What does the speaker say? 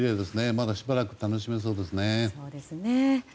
まだしばらく楽しめそうですね。